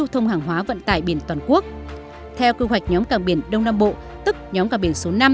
theo cơ hoạch nhóm cảng biển đông nam bộ tức nhóm cảng biển số năm